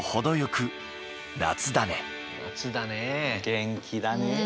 元気だねえ。